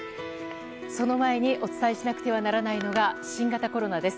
その前にお伝えしなくてはならないのが新型コロナです。